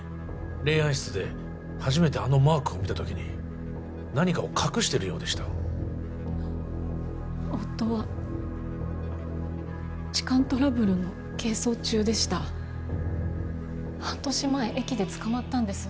霊安室で初めてあのマークを見た時に何かを隠してるようでした夫は痴漢トラブルの係争中でした半年前駅で捕まったんです